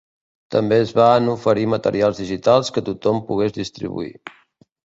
També es van oferir materials digitals que tothom pogués distribuir.